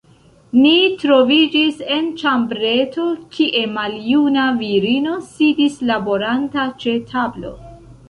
Ni troviĝis en ĉambreto, kie maljuna virino sidis laboranta ĉe tablo.